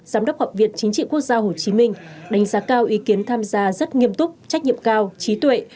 giám đốc học viện chính trị quốc gia hồ chí minh đánh giá cao ý kiến tham gia rất nghiêm túc trách nhiệm cao trí tuệ